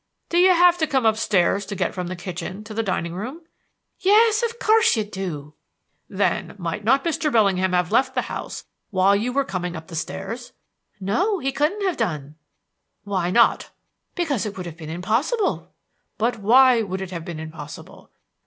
"Do you have to come upstairs to get from the kitchen to the dining room?" "Yes, of course you do!" "Then, might not Mr. Bellingham have left the house while you were coming up the stairs?" "No, he couldn't have done." "Why not?" "Because it would have been impossible." "But why would it have been impossible?"